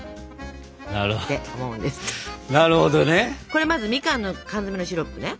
これまずみかんの缶詰のシロップね。